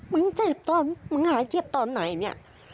มึงเจ็บตอนมึงหายเจ็บตอนไหนเนี่ย